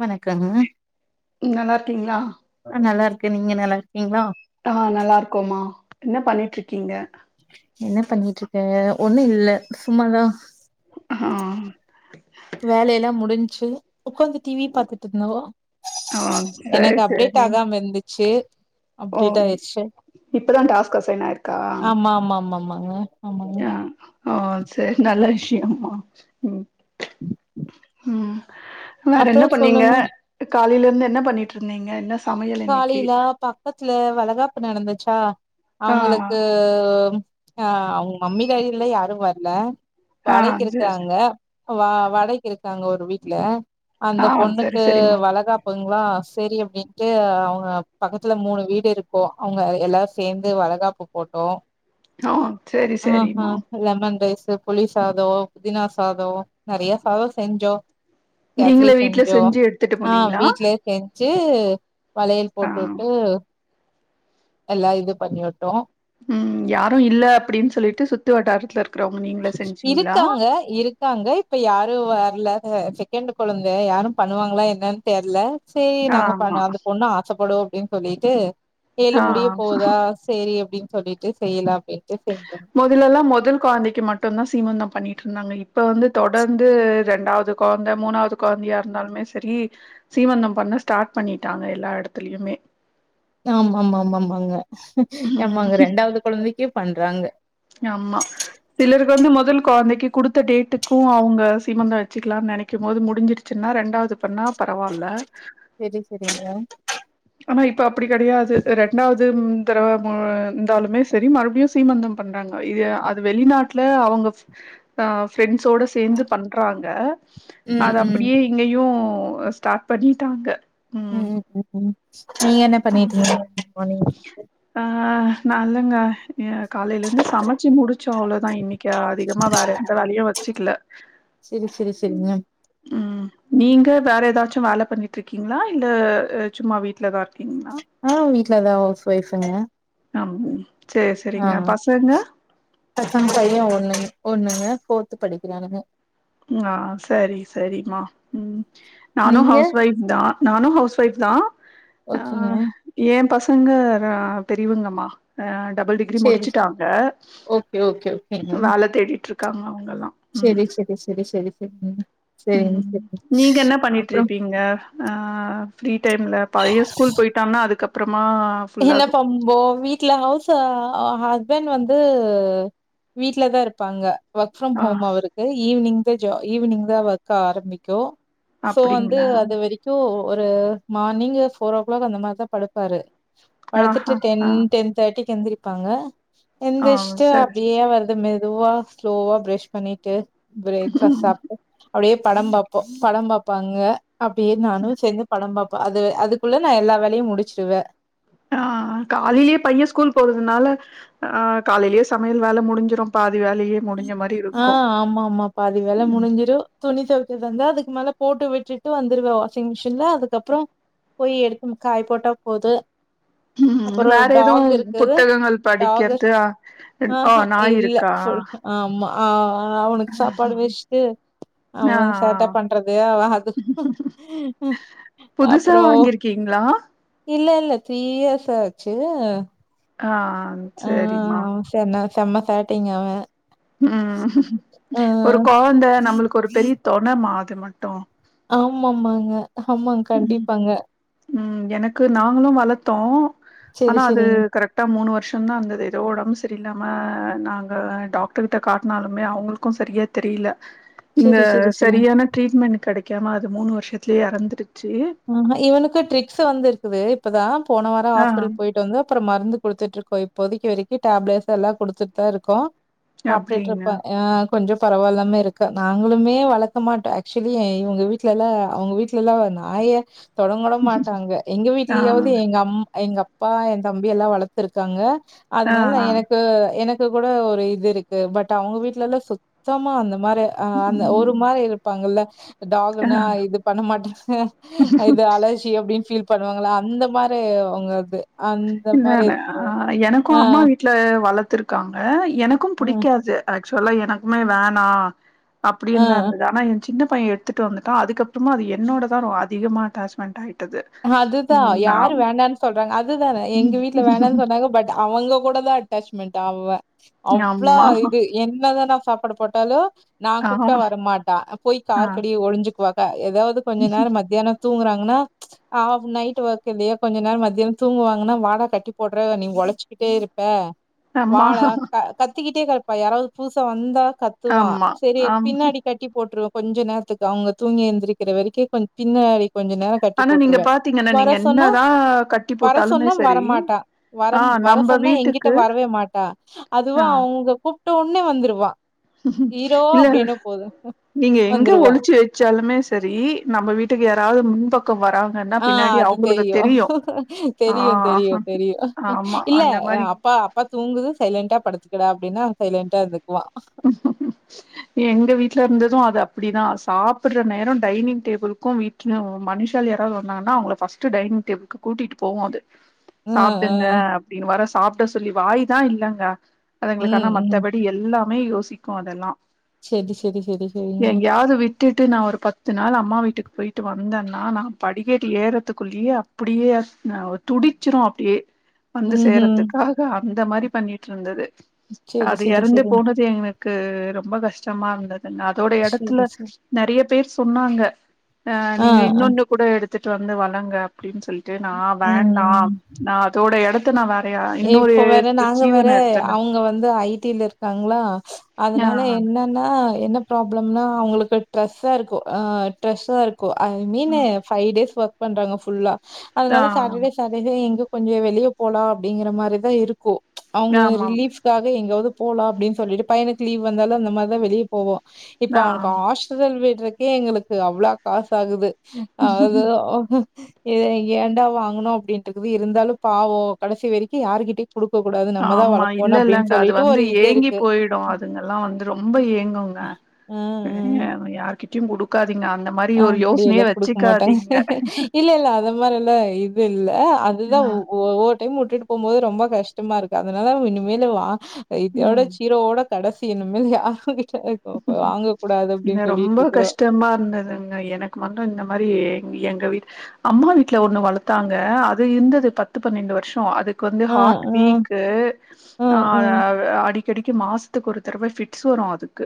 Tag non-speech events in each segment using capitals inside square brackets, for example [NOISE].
வணக்கங ம் நல்லார்க்கீங்ளா நல்லாருக்க நீங்க நல்லாருக்கீங்ளா ஆஹ் நல்லாருக்கோமா என்ன பண்ணிட்ருக்கீங்க என்ன பண்ணிட்டு இருக்க ஒன்னு இல்ல சும்மாதா ஆஹ் வேல எல்லா முடிஞ்சு ஒக்காந்து டிவி பாத்துட்டு இருந்தோ ஆ சரி எனக்கு அப்டேட் சரி ஆகம் இர்ந்துச்சி ஓ அப்டேட் ஆயிர்ச்சு இப்பதா டாஸ்க் அசைன் ஆயிருக்கா ஆமா ஆமா ஆம்மம்மா ஆ ஆமாங ஆ ஓ சேரி நல்ல விஷ்யொம்மா ம் ம் வேற அப்றோ என்ன பண்ணீங்க சொல்லுங்க காலைல ந்து என்ன பண்ணிட்ருந்தீங்க என்னஸ் காலையல பக்கத்ல வளகாப்பு நடந்து சா ஆ அவுங்ளுக்கு ஆஹ் அவுங்க மம்மி தாதியல்ல யாரு வர்ல ஆ பழைக் சரி சரி இருக்காங்க வா வடைக்கி இருக்காங்க ஒரு வீட்ல அந்த ஆ சரி பொண்ணுக்கு‌ சரிம்மா வளகாப்புங் ங்ளா செரி அப்டின் டு அவுங்க பக்கத்ல மூணு வீடு இருக்கும் அவுங்க எல்லாரு சேந்து வளகாப்பு போட்டோம் ஹ சரி சரிம்மா கு புலி சாதொ புதினா சாதோ நறைய சாதொ செஞ்சோ கேசரி நீங்களே வீட்டுல செஞ்சு எடுத்துட்டு போனிங்களா சு வளையல் போட்டு உட்டு எல்லா இது பண்ணி உட் உம் யாரு இல்ல அப்டின் சொல்லிட்டு சுத்து வட்டாரத்துல இருக் இருக்காங்க இருக்காங்க இப்ப யாரு வரல அஹ் செக்கண்டு கொழந்த யாரு பண்ணுவாங்களா என்னன்னு தெரில சரி நாங்க ஆமா பண்ணு அந்த பொண்ணு ஆசப்படோ அப்டின்னு சொல்லிட்டு ஏழு ஆ முடிய போகுதா சேரி அப்டின்னு சொல்லிட்டு செய்யலா முதலெல்லா மொதல் கொழந்தைக்கு மட் டுன்தா சீமந்தொஒ பண்ணிட்டு இருந்தாங்க இப்ப வந்து தொடர்ந்து ரெண்டாவது கொழந்த மூணாவது கொழந்தையா இருந்தாலுமே சரி சீமந்தம் பண்ண ஸ்டாட் பண்ணிட்டாங்க எல்லா எடத்துலயுமே ஆமா ஆமா ஆமா ஆமாங்க ம் ஆமாங்க ரெண்டாவது கொழந்தைக்கு பண்றாங்க ஆமா சிலருக்கு வந்து முதல் கொழந்தைக்கு குடுத்த டேட்டுக்கு அவங்க சீமந்தொ வச்சுக்கலானு நெனைக்கும் போது முடிஞ்சிருச்சுன்னா ரெண்டாவது பண்ணா பரவாயில்ல சரி, சரிங்க. ஆனா இப்ப அப்டி கெடையாது ரெண்டாவது ம் தடவ உம் இருந்தாலுமே சரி மறுபடியு சீமந்தம் பண்றாங்க இது அது வெளிநாட்டுல அவங்க ஃப் ஆஹ் ஃப்ரெண்ட்ஸோட சேந்து பண்றாங்க ம், அது ம். அப்டியே இங்கயு ஒ ஸ்டார்ட் பண்ணிட்டாங்க ம். உம் உம் உம் நீங்க என்ன பண்ணீட்டிருந்தீங்க ஆஹ் நல்லுங்க இங்க காலையில இருந்து சமச்சு முடிச்சொ அவ்ளோதா இன்னைக்கு அதிகமா வேற எந்த வேலையு வெச்சுக்கல சரி, சரி, சரிங்க. உம் நீங்க வேற ஏதாச்சு வேல பண்ணிட்டு இருக்கீங்களா இல்ல அ சும்மா வீட்டுலதா இருக்கீங்களா ஆஹ் வீட்லதா ஹவுஸ் ஒய்ஃபுங்க அம் சரி சரிங்க. ஆஹ் பசங்க? [INAUDIBLE] பைய ஒன்னு ஒன்னுங்க ஃபோர்த்து படிக்கிறானுங்க ஆஹ் சரி சரி மா உம் நானு நீங்க? ஹவுஸ் ஒய்ஃப் தா நானு ஹவுஸ் ஒய்ஃப் தா ஓகேங்க அஹ் ஏ பச ங்க ரா பெரியவங்கம்மா ஹ டபுள் டிகிரி சரி சரி முடிச்சிட்டாங்க ஓகே வேல தேடிட்ருக் காங்க செரி செரி செரி செரி [UNINTELLIGIBLE] உம் நீங்க என்ன அப்புறம் பண்ணிட்ருப்பீங்க ஆஹ் டைம்ல பைய ஸ்கூல் போயிட்டான அதுக்கப் இல்ல பம்போ வீட்டு்ல ஹவுசா ஹ ஹஸ்பண்ட் வந்து வீட்லதா இருப்பாங்க ஒர்க் ஃப்ரம் ஆ ஹோம் அவருக்கு ஈவினிங் ஈவினிங்தா ஒர்க்கு ஆரம்பிக்கு சோ வந்து அப்டிங்களா அது வரிக்கு ஒரு மார்னிங்கு ஃபோர் ஓ கிளாக் அந்த மாரிதா படுப்பாரு படுத்துட்டு ஆஹா டென் ஆ டென் தேட்டி எந்திரிப்பாங்க ஆ எந்திஷ்ட்டு சரி அப்டியே வருது மெ துவா ஸ்லோவா பிரஷ் பண்ணிட்டு பிரேக்பாஸ்ட் ம் சாப்ட்டு அப்டியே படம் பாப்போ படம் பாப்பாங்க அப்டியே நானு சேர்ந்து படம் பாப் ப அது அதுக்குள்ள நா எல்லா வேலையு முடிச்சிருவ ஆஹ் காலைலியே பைய ஸ்கூல் போறதுனால ஆஹ் காலைலியே சமையல் வேல முடிஞ்சிரும் பா ஆஹ் ஆமாமா பாதி வேல ம் முடிஞ்சிடு துணி துவைக்கிறதாந்தா அதுக் க்கு மேல போட்டு விட்டுட்டு வந்துருவ வாஷிங் மிஷின்ல அதுக்கப்றோ போயி எடுக்கும் காய போட்டா போது அப்றோ வேற டாக் எதவும் இருக்குது புத்தகங்கள் டாக் படிக்கறது ஆஹ் நாயிருக்கா ம ஆ அவனுக்கு சாப்பாடு வெஷ்ட்டு ஆ அவன் சேட்ட பண்றது அவ அது புதுசா அப்றோ வாங்கிருக்கீங்களா இல்ல இல்ல த்ரீ இயர்ஸ் ஆச்சு ஆஹ் ஆ சரிம்மா செம செம்ம சேட்டைங்க அவன் உம் ஒரு குழந்தை நம்மளுக்கு ஒரு பெரிய தொண மா மட்டும் ஆம்மாங்க ஆமாங்க ம் கண்டிப்பாங்க ம் எனக்கு நாங்களு வளத்தோ செரி ஆனா அது செரிங்க கரெக்டா மூணு வருஷோ ந்தது ஏதோ உடம்பு சரில்ல்லாம நாங்க டாக்டர் கிட்ட காட்டினாலுமே அவங்களுக்கும் சரியா தெரியல இந்த செரி செரி செரிங்க சரியான ட்ரீட்மெண்ட் கெடைக் காம அது மூணு வருஷத்துலேயே எறந்து உம் இவனுக்கு ட்ரிக்ஸ் வந்து இருக்குது இப்பதா போன வாரோ ஆ ஹாஸ்பிட்டல் போயிட்டு வந்தோ அப்புறோ மருந்து கொடுத்துட்டு இருக்கோம் இப்போதைக்கு வரைக்கும் டேப்லட்ஸ் எல்லாம் கொடுத்துட்டு தா இருக்கோ சாப்பிட்டுட்டு அப்டின்னா இருப்பே ஆ கொஞ்சு பரவாயில்லாம இருக்கு நாங்களுமே வளர்க்க மாட்டோ ஆக்சுவலி இவங்க வீட்டுல எல்லா அவங்க வீடல எல்லா ஆய தொடக்கூட மாட்டாங்க எங்க ஆ வீட்லியாவது எங்க அம்மா எங்க அப்பா என் தம்பி எல்லா வளர்த்துருக்காங்க ஆ அதனால நா ஆ எனக்கு எனக்கு இதுல கூட ஒரு இது இருக்கு பட் அவங்க வீட்டுல எல்லா சுத்தமா அந்த மாதிரி ஆ அந்த ஒரு ம் மாரி இருப்பாங்கல்ல ஆ [INAUDIBLE] டாகுனா இது பண்ண மாட்டாங்க அது அலர்ஜி அப்படினு ஃபீல் பண்ணுவாங்கள அந்த மாரி அவங்க அது என்னனு ஆ எனக்கு ஆ அம்மா வீட்டு்ல வளர்த்துருக்காங்க எனக்கும் ஆ புடிக்காது ஆக்சுவலா எனக்குமே வேணா அப்படினு தா ஆ இருந்தது ஆனா எ சின்ன பைய எடுத்துட்டு வந்துட்டா அதுக்கப்புறமா அது என்னோட தா அதிகமா அட்டாச்மெண்ட் ஆயி அதுதா யாரு வேண்டானு சொல்றாங்க அதுதானே எங்க வீட்டுல வேணன்னு சொன்னாங்க பட் ட அவங்க கூடதா அட்டாச்மெண்ட் அவ அவ்வளா ஆமா இது என்னதானா சாப்பாடு போட்டாலு நா ஆ கூப்ட்டா வர மாட்டா போய் ஆ கார்கடி ஒழிஞ்சுக்குவா ஏதாவது கொஞ்ச நேரம் மத்தியானம் தூங்குறாங்கனா ஆஹ் நைட் ஒர்க் இல்லையா கொஞ்ச நேரம் மத்தியானம் தூங்குவாங்கன்னா வாடா கட்டி போடுற நீங் உழைச்சிக்கிட்டே இருப்ப ஆமா வாழ க த் கத்துக்கிட்டே கர்ப்பா யாராவது பதுசா வந்தா கத்துவா ஆமா சரி ஆம் பின்னாடி கட்டி போட்டுருவ கொஞ்சம் நேரத்துக்கு அவங்க தூங்கி எழுந்திருக்கிற வரைக்கும் கொ பின்னாடி கொஞ்ச நேர க ஆனா நீங்க போட்டுருவே பாத்தீங்கன்னா வர நீங்க சொன்னா என்னதா கட்டி வர போட்டாலுமே சொன்னா சரி வரமாட்டா வர ஆ வர நம்ப சொன்னா எகிட்ட வீட்டுக்கு வரவே மாட்டா ஆ அதுவும் அவங்க கூ ட்ட உடன்னே வந்துடுவா இல்ல நீங்க எங்க வந்துருவா. ஒழிச்சு வச்சாலுமே சரி நம்ம வீட்டுக்கு யாராவது முன்பக் ஆஹ் அது தெரியும் ஆ தெரியு தெரியு தெரியு ஆமா இல்ல அந்த மாரி அப்பா அப்பா தூங்குத சைலன்ண்டா படுத்துக்கடா அப்படின்னா சைலண்டா இருந்துக்குவா எங்க வீட்ல இருந்ததும் அது அப்படிதான் சாப்பிடுற நேரம் டைனிங் டேபிளுக்கும் வீட்டு மனுஷால் யாராவது வந்தாங்கன்னா அவங்கள ஃபஸ்ட் டைனிங் டேபிளு கூட்டிகிட்டு போவோம் அது ம், சாப்பிடுங்க ம். அப்படின்னு வர சாப்டா சொல்லி வாய தா இல்லங்க ம், அதுங்களுக்கான ம். மத்தபடி எல்லாம் மெய் யோசிக்கும் அதெல்லா செரி செரி செரி செரிங்க எங்கயாவது விட்டுட்டு நா ஒரு பத்து நாள் அம்மா வீட்டுக்கு போயிட் ட்டு வந்தேன்னா நா படிக்கட்டு ஏறதுக்குள்ளேயே அப்படியேஹ் துடிச்சிரும் அப்படியே வந்து ம்ஹூம் சேறதுக்காக அந்த மாரி பண்ணிட்று இருந்தது செரி அது செரி இறந்து செரி போனது எனக்கு ரொம்ப கஷ் சுமா இருந்த அதோட செரி இடத்துல செரி நிறைய பேர் சொன்னாங்க ஆஹ் ஆ நீங்க ஆ இன்னொன்ன கூட எ த்துட்டு வந்து வளங்க அப்படின்னு சொல்லிட்டு நா ம் வேண்டாம் நா அதோட இடத் இப்போ வேற நாங்க வேற எடுத்தேனே அவங்க வந்து ஐ டில இருக்காங்க ங்களா ஆ அதனால என்னன்னா என்ன ப்ரா பிராப்ளம் நா அவங்களுக்கு ட்ரசா இருக்கு ஐ மீனு ஃபைவ் டேஸ் வர் பண்றாங்க ஃபுல்லா ஆ அதுனால சாட்டர்டே சன்டே இங்கு கொஞ்ச வெளிய போலா அப்டிங்கற மாரிதா இருக்கும் அவங்க ஆமாம் ரிலீஃப்காக எங்காவது போலாம் அப்டின்னு சொல்லிட்டு பையனுக்கு லீவ் வந்தாலு அந்த மாரி தா வெளிய போவோ இப்ப ஆ அவனுக்கு ஆசதல் க்கே எங்களுக்கு அவ்ளா காசு ஆகுது அது இத ஏன்டா வாங்குனோ அப்படின்ட்டு இருக்குது இருந்தாலு பாவோ கடைசி வரைக்கு யார்கிட்ட ஆமா இல்ல இல்லங்க அது வந்து ஒரு இது ஏங்கி இருக்கு. போயிடு அதுங்கெல்லா வந்து ரொம்ப ஏங்குங்க யாருகி கொடுக்கா ஆ அப்படியல்ல குடுக்க மாட்டாங்க இல்ல இல்ல அத மாதிரி எல்லாம் இது இல்ல அதுதான் ஆ ஓ டை விட்டிட்டு போகும் போது ரொம்ப கஷ்டமா இருக்கு அதனால இனிமேல இதோட சீரோடா கடைசி [UNINTELLIGIBLE] சரிக்கு இப்ப ம் வாங்க கூடாது இல்ல அப்டின்னு ரொம்ப சொல்லிட்டு இருக்கறோம் கஷ்டமா இருந்ததுங்க எனக்கு மட்டு இந்த மாரி எங்க வீட் அம்மா வீட்ல ஒண்ணு வளத்தாங்க அது இருந்தது பத்து பன்னெண்டு வருஷம் அதுக்கு வந்து ஆ, ஹாட் ஆ, வீக்கு ஆ, ஆ. அடிக் கிடைக்கும் மாசத்துக்கு ஒரு தடவை பிட்ஸ் வரும் அதுக்கு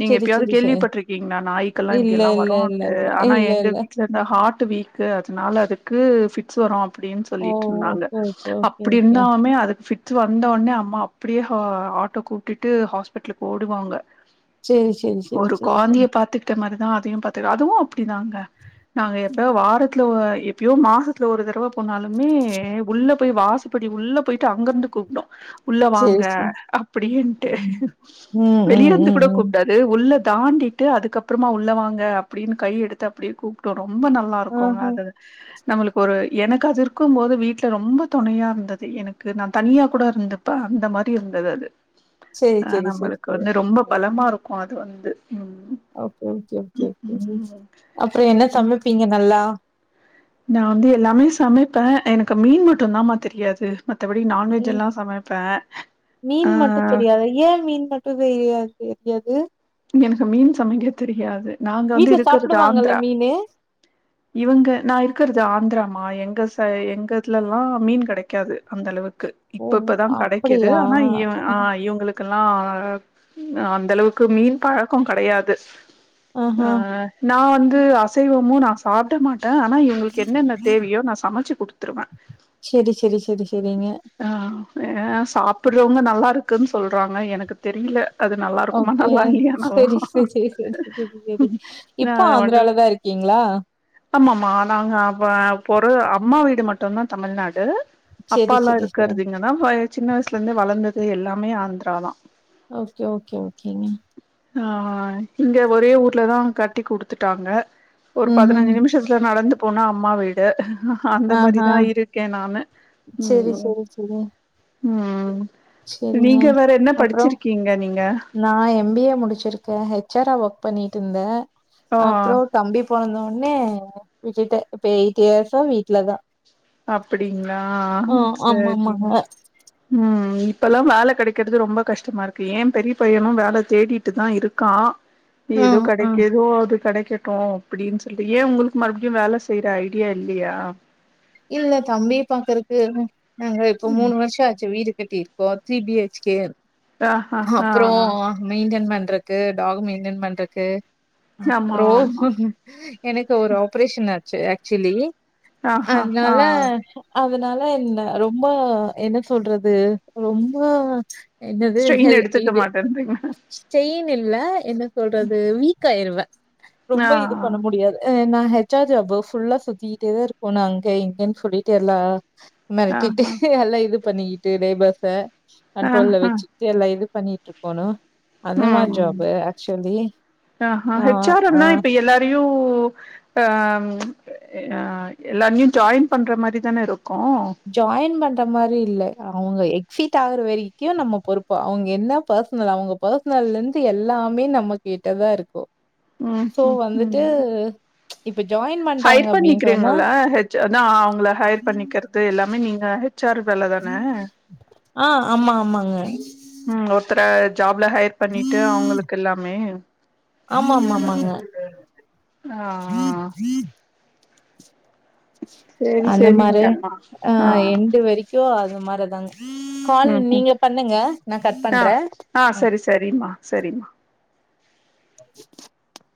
நீங்க சரி, எப்பயாவது சரி, சரி. கேள்விப்பட்டிருக்கீங்கன்னா நாய்க்கல்லாம் இப்படி இல்ல, எல்லாம் இல்ல, இல்ல, வரும்ட்டு இல்ல. ஆனா இல்ல, எங்க இல்ல. வீட்டுல இரு ஹாட் வீக் அதனால அதுக்கு ஃபிட்ஸ் வரும் அப்ப அப்டின் ஓ! சொல்லிட்டு இருந்தாங்க ஓகே, ஓகே, ஓகே, அப்டி ஓகே. இருந்தாலே அதுக்கு வந்த உடனே அம்மா அப்படியே ஆட்டோ கூப்டுட்டு ஹாஸ்பிடலுக்கு ஓடுவாங்க சேரி சேரி சேரி ஒரு சேரி சேரி குயந்தைய பாத்துக்கிட்ட மாரிதா பாத்துங்க அதுவு தாங்க நாங்க எப்ப வாரத்து த்துல எப்பயோ மாசத்துல ஒரு தடவ போனாலுமே உள்ள போய் வாசப்படி உள்ள போயிட்டு அங்க இருந்து கூப்டும் உள்ள சேரி வாங்க சேரி அப்படின்ட்டு ம் ம் ம் வெளியேந்து ம் கூட ம் கூப்டாது உள்ள தாண்டிட்டு அதுக்கப்பறமா உள்ளவாங்க அப்டின்னு கை எடுத்து அப்டியே கூப்டு ரொம்ப நல்லா இருக்குங்க ஆஹா அது நம்மளுக்கு ஒரு எனக்கு அது இருக்கும் போது வீட்ல ரொம்ப தொணையா இருந்தது எனக்கு நா தனியா கூட இருந்துப்பே அந்த மாரி இருந்தது அது சேரி ஆ சேரி சேரி நம்மளுக்கு வந்து ரொம்பப் பலமா இருக்கு அது வந்து அப்ற உகே உகே ம் அப்ற என்ன சமைப்பீங்க நல்லா நா வந்து எல்லாமே சமைப்பே எனக்கு மீன் மட்டுந்தாமா தெரியாது மத்தபடி நான்வெஜ் எல்லா சமைப்பே ஆ மீன் மட்டு தெரியாத ஏ மீன் மட்டு தெரியாது எது எனக்கு மீன் சமக்க தெரியாது நாங்க வந்து வீட்ல இருக்கற்து சாப்டுவாங்கல்ல ஆந்ரா மீனு இவங்க நா இருக்கறது ஆந்ராமா எங்க சை எங்க இதுல ஆ மீன் கடைக்காது அந்தளவு க்கு ஓ இப்ப இப்பதா கடைக்குது அப்டியா ஆனா இவ அ இவுங்ளுக் கல்லா அந்த அளவுக்கு மீன் பழக்கோ கடையாது அ ஆஹா நா வந் து அசைவமு நா சாப்ட மாட் ட ஆனா இவுங்ளுக்கு என்னன்ன தேவயோ நா சமச்சி குடுத்துருவ சேரி சேரி சேரி சேரிங்க அ அ அ சாப்புறவ்ங்க நல்லாருக்குன் சொல்றாங்க எனக்கு தெரில அது நல்லார்க்குமா ஓகே நல்லா இல்லியான் சேரி சேரி சேரி சேரி சேரி இப்போ ஆந்ராலதா இருக்கீங்ளா ஆமமா நாங்க அ பொற அம்மா வீடு மட்டுந்தா தமிழ்நாடு சேரி அப்பால்லா சேரி சேரி இருக்கற்து இங்கன்னா வய சின்ன வயசுல இருந்தே வளந்தது இது எல்லாமே ஆந்ரா தா ஓகே ஓகே ஓகேங்க ஆ இங்க ஒரே ஊர்லதா கட்டி குடுத்துட்டாங்க ஒரு ம் பதுனஞ்சி ம் நிமிஷத்ல நடந்து நா அம்மா வீடு அந்த ஆஹா மாரிதா இருக்கே நானு செரி ம் செரி செரி ம் செரிங்க நீங்க வேற என்ன அப்றோ படிச்சிருக்கீங்க நீங்க இருக்கே ஹச் ஆர் ஆ ஒர்க் பண்ணிட்ருந்த ஆ அப்றோ தம்பி பொறந்த னே வீட்டுட்ட இப்ப எயிட் இயர்ஸா வீட்லதா அப்புடிங் அ ஆ அ ஆமா சரி ஆமாங்க ம் ம் இப்பலா வேல கடைக்கிறது ரொம்ப கஷ்டமா இருக்கு ஏ பெரிய பையனு வேல தேடிட்டுதா இருக்கா ஏதோ ம் ம் கடைக்கிதோ அது கடை கட்டு அப்டின்னு சொல்லி ஏ உங்களுக்கு மறுபடியு வேல செய்யுற ஐடியா இல்லயா இல்ல தம்பிய பாக்குறக்கு உ நாங்க இப்ப மூணு வருஷொ ஆச்சு வீடு கட்டி இருக்கோ த்ரீ பி ஹச் கே ஆஹா ஆ அப்புறோ மெயிண்டன் பண் இருக்கு டாகு மெயின்டன் பண்றக்கு ஆமா அப்புறோ ஆமா எனக்கு ஒரு ஆப்ரேஷன் ஆச்சு ஆக்சுவலி ஆஹா ஆ அதுனால அதுனால என்ன ரொம்ப என்ன சொல்றது ரொம்ப என்னது ஸ்ட்ரெயின் ஹெல் எடுத்துக்க இது மாட்டேன்றீங்க ஸ்டெயின் இல்ல என்ன சொல்றது வீக் காயிறுவே ஆ ரொம்ப இது பண்ண முடியாது அ நா ஹெச் ஆர் ஜாப் ஃபுல்ல சுத்திட்டேதா இரு குனொ அங்க இங்கேன் சொல்லிட்டு எல்லா மெரட்டிட்டு ஆஹா எல்லா இது பண்ணிக்கிட்டு லேபர்ஸ கண்ட்ரோல்ல ஆஹா வெச்சுக்குட்டு எல்லா இது பண்ணிட்டு இருக்கோணு அந்த மாரி ம் ஜாப்பு ஆக்சுவலி ஆஹ் அஹ் யு உஹ்ம் ஆ எல்லாமியு ஜாயின் பண்ற மாரிதானே இரு ஜாயின் பண்ற மாரி இல்ல அஹ் அவங்க எக்ஸிட் ஆகுற வரைக்கு நம்ம பொறுப்பு அவங்க என்ன பர்சனல் அவங்க பர்சனல் இருந்து எல்லாமே நம்ம கிட்ட தா இருக்கு ம் சோ ம் வந்துட்டு ம் இப்ப ஜாயின் பண்றாங்க ஹையர் அப்படின்னு சொன்னா பண்ணிக்கிறீங்கள்ல ஹெச் அதா அவங்கள ஹையர் பண்ணிக்கற் து எல்லாமே நீங்க ஹெச் ஆர் வேல தான ஆ ஆமா, ஆமாங்க. உம் ஒருத்தர ஜாப்ல ஹையர் பண்ணிட்டு அவங்களுக்கு எல்லாமே ஆமா ஆமா ஆமாங்க ஆ ஃிரிஜ் ஃிரிஜ் சேரி அந்த மாரி சேரிங்கம்மா ஆ ஆஹ் எண்டு வரைக்கு அ து மாரிதாங்க கால் ம் ம் நீங்க பண்ணுங்க நா கட் ஆ பண்றே ஆ உம் சரி சரிம்மா சரிம்மா [INAUDIBLE]